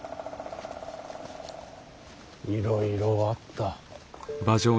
いろいろあった。